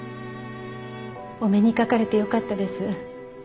お目にかかれてよかったです。